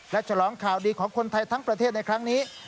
และฉลองข่าวดีของคนไทยทั้งประเทศในครั้งนี้